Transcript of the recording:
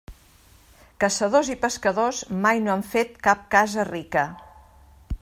Caçadors i pescadors mai no han fet cap casa rica.